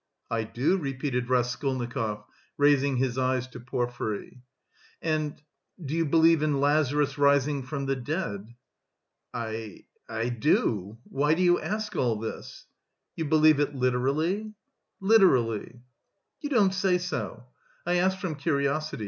"I do," repeated Raskolnikov, raising his eyes to Porfiry. "And... do you believe in Lazarus' rising from the dead?" "I... I do. Why do you ask all this?" "You believe it literally?" "Literally." "You don't say so.... I asked from curiosity.